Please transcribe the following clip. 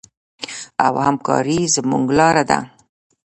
او همکاري زموږ لاره ده.